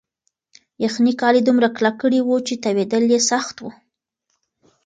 یخنۍ کالي دومره کلک کړي وو چې تاوېدل یې سخت وو.